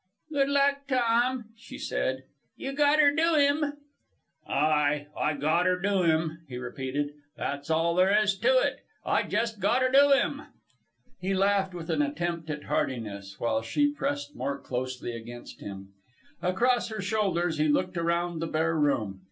"Good luck, Tom," she said. "You gotter do 'im." "Ay, I gotter do 'im," he repeated. "That's all there is to it. I jus' gotter do 'im." He laughed with an attempt at heartiness, while she pressed more closely against him. Across her shoulders he looked around the bare room.